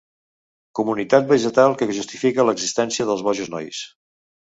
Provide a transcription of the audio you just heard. Comunitat vegetal que justifica l'existència dels Boixos Nois.